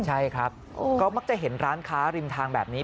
ใช่ครับก็มักจะเห็นร้านค้าริมทางแบบนี้